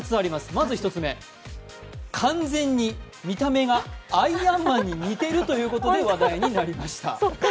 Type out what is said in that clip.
まず１つ目、完全に見た目がアイアンマンに似ているということで話題になりました。